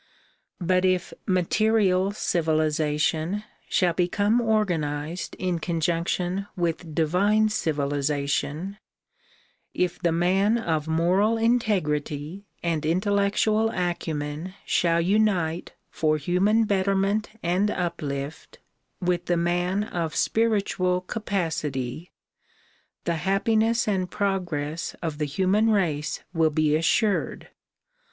But if material civilization shall become organized in conjunction with divine civilization, if the man of moral integrity and intellectual acumen shall unite for human betterment and uplift with the man of spiritual capacity, the hap piness and progress of the human race will be assured.